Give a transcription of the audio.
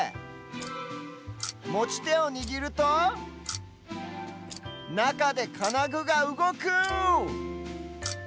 もちてをにぎるとなかでかなぐがうごく！